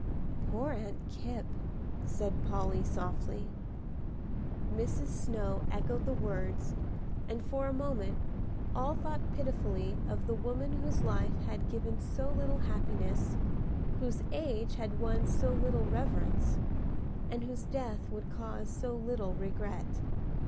"Poor Aunt Kipp!" said Polly, softly. Mrs. Snow echoed the words, and for a moment all thought pitifully of the woman whose life had given so little happiness, whose age had won so little reverence, and whose death would cause so little regret.